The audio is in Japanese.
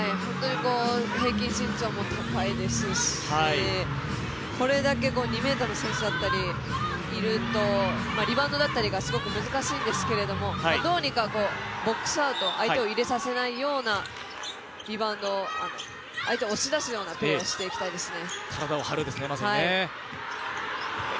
平均身長も高いですしこれだけ２ｍの選手がいるとリバウンドだったりがすごく難しいんですけれども、どうにかボックスアウト、相手を入れさせないようなリバウンド、相手を押し出すようなプレーをしていきたいですね。